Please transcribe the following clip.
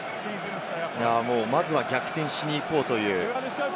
まずは逆転しに行こうという。